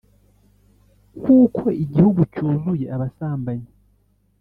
Kuko igihugu cyuzuye abasambanyi